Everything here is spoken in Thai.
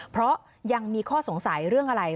เพราะยังมีข้อสงสัยเรื่องอะไร